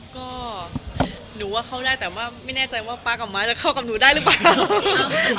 ก็หนูว่าเข้าได้แต่ว่าไม่แน่ใจว่าป๊ากับม้าจะเข้ากับหนูได้หรือเปล่า